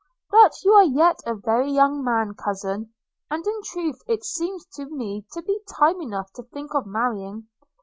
– But, you are yet a very young man, cousin; and in truth it seems to me to be time enough to think of marrying.